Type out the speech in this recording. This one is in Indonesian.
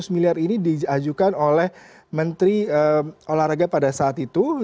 lima ratus miliar ini diajukan oleh menteri olahraga pada saat itu